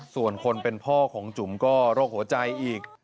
ส่วนคนเป็นพ่อของจุ๋มก็โรคหัวใจอีก